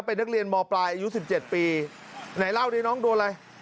เป็นนักเรียนมปลายอายุ๑๗ปีไหนเล่าดิน้องโดนอะไร